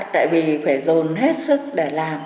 tại vì phải dồn hết sức để làm